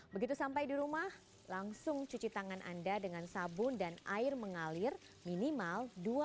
begitu sampai di rumah langsung cuci tangan anda dengan sabun dan air mengalir minimal